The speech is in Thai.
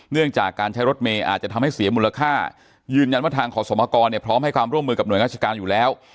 เนื่องจากการใช้รถเมย์อาจจะทำให้เสียมูลค่ายืนยันว่าทางขอสมกรเนี่ยพร้อมให้ความร่วมมือกับหน่วยราชการอยู่แล้ว